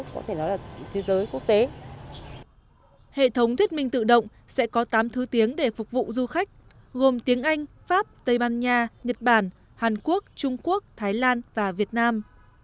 hệ thống thuyết minh tự động sẽ có tám thứ tiếng để phục vụ du khách gồm tiếng anh pháp tây ban nha nhật bản hàn quốc trung quốc thái lan và việt nam